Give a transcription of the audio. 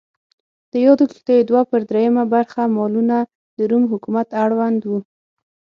د یادو کښتیو دوه پر درېیمه برخه مالونه د روم حکومت اړوند و.